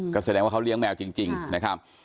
ก็แสดงว่าเขาเลี้ยงแมวจริงนะครับ